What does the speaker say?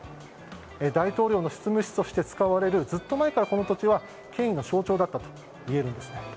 大統領の執務室として使われるずっと前からこの土地は、権威の象徴だったといえるんです。